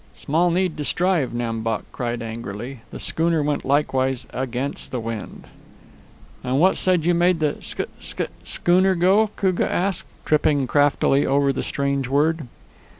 "Small need to strive," Nam Bok cried angrily. "The schooner went likewise against the wind." "And what said you made the sch sch schooner go?" Koogah asked, tripping craftily over the strange word.